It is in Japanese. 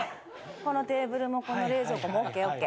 このテーブルもこの冷蔵庫もＯＫＯＫ。